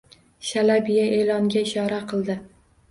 Shalabiya e`longa ishora qildi